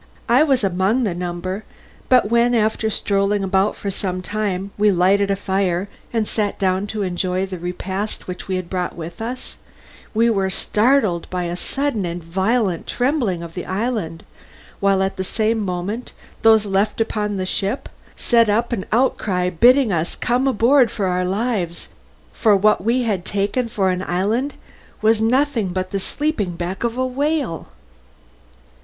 I was among the number, but when after strolling about for some time we lighted a fire and sat down to enjoy the repast which we had brought with us, we were startled by a sudden and violent trembling of the island, while at the same moment those left upon the ship set up an outcry bidding us come on board for our lives, since what we had taken for an island was nothing but the back of a sleeping whale.